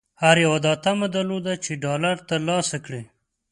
هر یوه دا طمعه درلوده چې ډالر ترلاسه کړي.